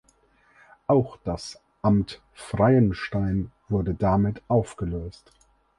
Auch das "Amt Freienstein" wurde damit aufgelöst.